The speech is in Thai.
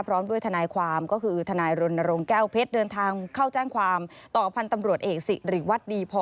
พร้อมด้วยทนายความก็คือทนายรณรงค์แก้วเพชรเดินทางเข้าแจ้งความต่อพันธ์ตำรวจเอกสิริวัตรดีพอ